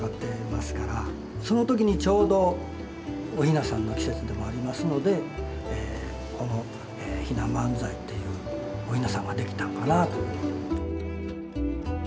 その時にちょうどおひなさんの季節でもありますのでこのひな万歳っていうおひなさんができたんかなぁと。